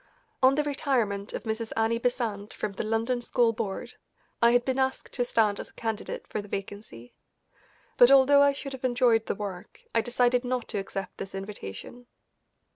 On the retirement of Mrs. Annie Besant from the London School Board I had been asked to stand as candidate for the vacancy, but although I should have enjoyed the work, I decided not to accept this invitation.